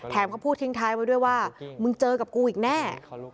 เขาพูดทิ้งท้ายไว้ด้วยว่ามึงเจอกับกูอีกแน่